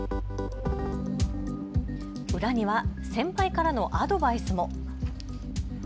裏には先輩からのアドバイスも。